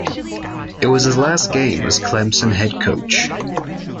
It was his last game as Clemson head coach.